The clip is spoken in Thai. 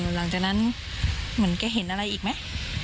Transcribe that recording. หลังจากนั้นเหมือนแกเห็นอะไรอีกไหม